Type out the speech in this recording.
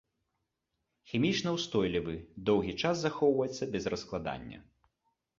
Хімічна ўстойлівы, доўгі час захоўваецца без раскладання.